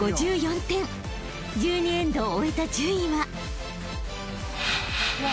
［１２エンドを終えた順位は］